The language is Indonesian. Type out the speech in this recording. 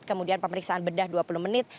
kemudian pemeriksaan bedah dua puluh menit